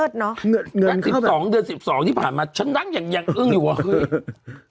เดือน๑๒เดือน๑๒ที่ผ่านมาชั้นั่งอยากเอิ้งอยู่วะ